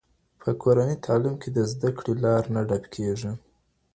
په کورني تعلیم کي د زده کوونکي لاره نه ډب کېږي.